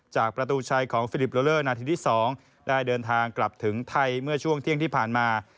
จากประตูชัยของฟิลิปโลเลอร์นาทีที่๒ได้เดินทางกลับถึงไทยเมื่อช่วงเที่ยงที่ผ่านมา